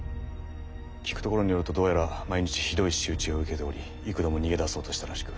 聞くところによるとどうやら毎日ひどい仕打ちを受けており幾度も逃げ出そうとしたらしく。